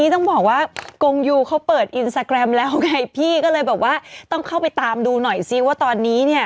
แต่ฉันไม่ได้เล่นกับเธอแน่นอน